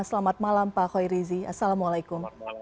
selamat malam pak hoi rizi assalamualaikum